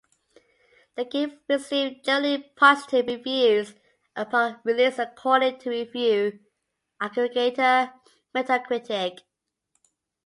The game received generally positive reviews upon release according to review aggregator Metacritic.